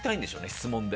質問で。